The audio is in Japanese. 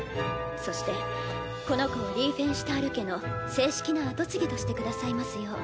そしてこの子をリーフェンシュタール家の正式な跡継ぎとしてくださいますよう。